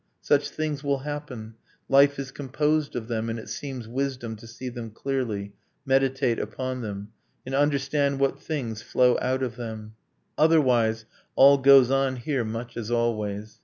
Such things will happen, Life is composed of them; and it seems wisdom To see them clearly, meditate upon them, And understand what things flow out of them. Otherwise, all goes on here much as always.